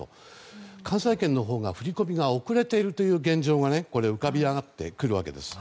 関西圏のほうが振り込みが遅れているという現状が浮かび上がってくるわけです。